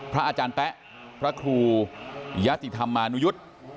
พระอาจารย์แป๊ะพระครูยะติธรรมาณุยุฏ